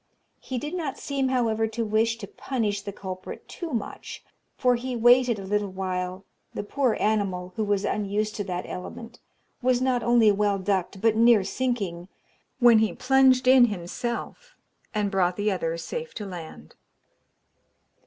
He did not seem, however, to wish to punish the culprit too much, for he waited a little while the poor animal, who was unused to that element, was not only well ducked, but near sinking, when he plunged in himself, and brought the other safe to land.